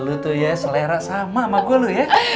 lu tuh ya selera sama sama gue lu ya